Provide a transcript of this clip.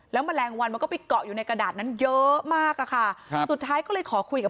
แมลงวันมันก็ไปเกาะอยู่ในกระดาษนั้นเยอะมากอะค่ะครับสุดท้ายก็เลยขอคุยกับ